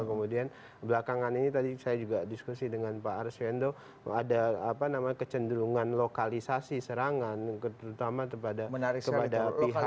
kemudian belakangan ini tadi saya juga diskusi dengan pak arswendo ada kecenderungan lokalisasi serangan terutama kepada pihak